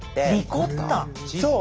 そう。